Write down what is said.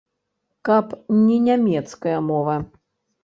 Каб не нямецкая мова.